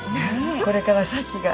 これから先が。